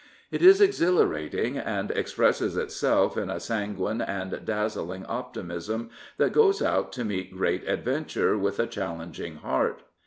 It is exhilarating and expresses itself in a sanguine and dazzling optimism that goes out to meet great adventure with a challenging heart.